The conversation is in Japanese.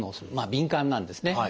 敏感なんですね。